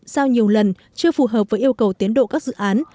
giao nhiều lần chưa phù hợp với yêu cầu tiến độ các dự án